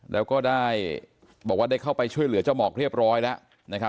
แล้วก็ได้บอกว่าได้เข้าไปช่วยเหลือเจ้าหมอกเรียบร้อยแล้วนะครับ